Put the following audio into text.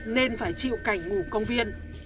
nên phải chịu cảnh ngủ công viên